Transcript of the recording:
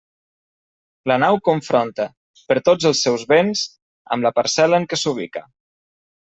La nau confronta: per tots els seus vents, amb la parcel·la en què s'ubica.